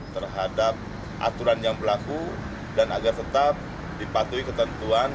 terhadap aturan yang berlaku dan agar tetap dipatuhi ketentuan